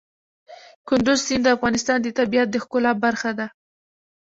کندز سیند د افغانستان د طبیعت د ښکلا برخه ده.